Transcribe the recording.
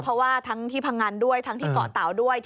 เพราะว่าทั้งที่พังงันด้วยทั้งที่เกาะเตาด้วย